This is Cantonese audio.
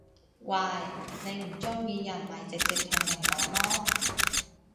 喂！你唔中意人咪直接同人講囉